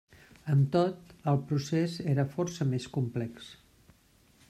Amb tot, el procés era força més complex.